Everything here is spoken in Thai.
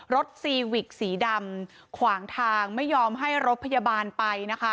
ซีวิกสีดำขวางทางไม่ยอมให้รถพยาบาลไปนะคะ